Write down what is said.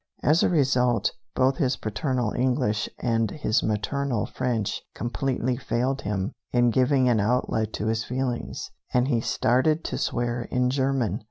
As a result, both his paternal English and his maternal French completely failed him in giving an outlet to his feelings, and he started to swear in German.